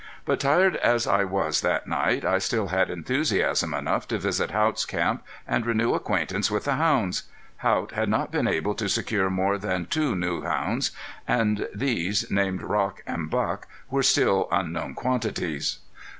But tired as I was that night I still had enthusiasm enough to visit Haught's camp, and renew acquaintance with the hounds. Haught had not been able to secure more than two new hounds, and these named Rock and Buck were still unknown quantities.